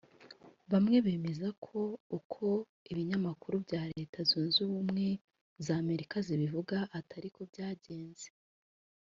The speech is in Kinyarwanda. Bamwe bemeza ko uko ibinyamakuru na Leta Zunze Ubumwe za Amerika zibivuga atariko byagenze